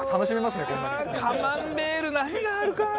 カマンベール何があるかな。